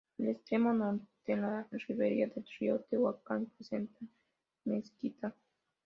Al extremo norte, en la ribera del Río Tehuacán, presenta mezquital.